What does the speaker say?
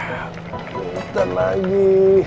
yuk entar lagi